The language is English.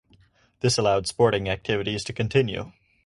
This allowed sporting activities to continue.